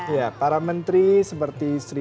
ya para menteri seperti sri